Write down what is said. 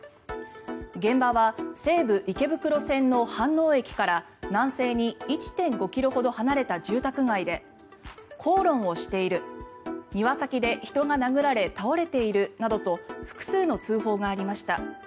現場は西武池袋線の飯能駅から南西に１．５ｋｍほど離れた住宅街で口論をしている庭先で人が殴られ倒れているなどと複数の通報がありました。